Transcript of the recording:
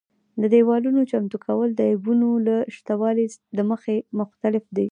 د دېوالونو چمتو کول د عیبونو له شتوالي له مخې مختلف دي.